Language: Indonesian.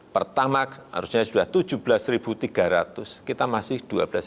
pertama harusnya sudah tujuh belas tiga ratus kita masih dua belas lima ratus